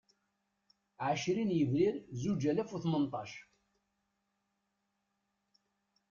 Ɛecrin Yebrir Zuǧ alas u Tmenṭac